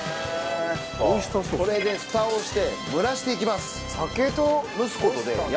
これで蓋をして蒸らしていきます。